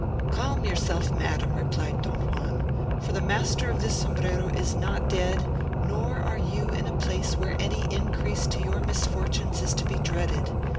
"Calm yourself, madam," replied Don Juan, "for the master of this sombrero is not dead, nor are you in a place where any increase to your misfortunes is to be dreaded.